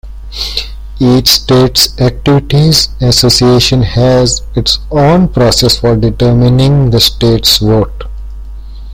Each state's activities association has its own process for determining the state's vote.